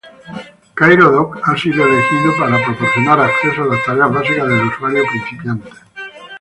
Cairo-Dock ha sido elegido para proporcionar acceso a las tareas básicas del usuario principiante.